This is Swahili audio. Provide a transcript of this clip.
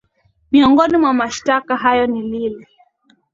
miongoni mwa mashtaka hayo ni lile